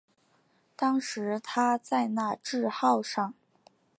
当时他在那智号上。